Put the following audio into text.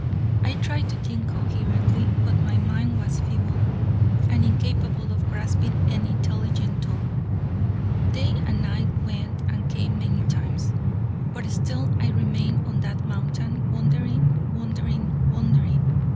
I tried to think coherently, but my mind was feeble and incapable of grasping an intelligent thought. Day and night went and came many times, but still I remained on that mountain wondering, wondering, wondering.